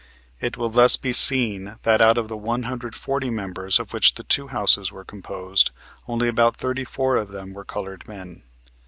It will thus be seen that out of the one hundred forty members of which the two Houses were composed only about thirty four of them were colored men.